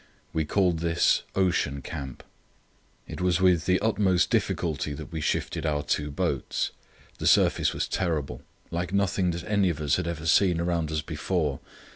We called this "Ocean Camp." It was with the utmost difficulty that we shifted our two boats. The surface was terrible—like nothing that any of us had ever seen around us before.